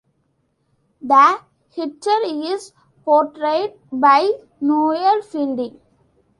The Hitcher is portrayed by Noel Fielding.